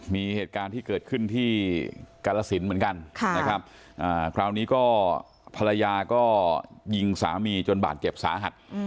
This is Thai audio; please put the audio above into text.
มีเหตุการณ์ที่เกิดขึ้นที่กาลสินเหมือนกันนะครับคราวนี้ก็ภรรยาก็ยิงสามีจนบาดเจ็บสาหัส